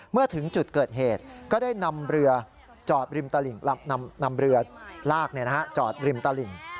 เมื่อถึงจุดเกิดเหตุก็ได้นำเรือจอดริมนำเรือลากจอดริมตลิ่ง